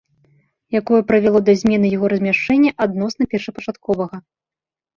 Якое прывяло да змены яго размяшчэння адносна першапачатковага